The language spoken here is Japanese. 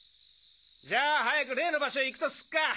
じゃあ早く例の場所へ行くとすっか！